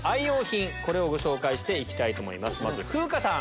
まず風花さん。